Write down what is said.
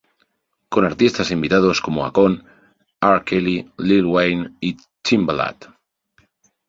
Con artistas invitados como Akon, R. Kelly, Lil Wayne y Timbaland